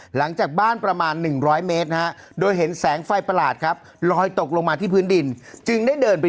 หลังจากบ้านประมาณ๑๐๐เมตรนะฮะโดยเห็นแสงไฟประหลาดครับลอยตกลงมาที่พื้นดินจึงได้เดินไป